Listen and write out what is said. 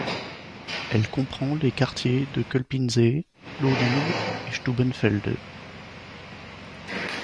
Elle comprend les quartiers de Kölpinsee, Loddin et Stubbenfelde.